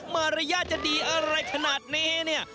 มารยาทจะดีอะไรขนาดนี้เนี่ย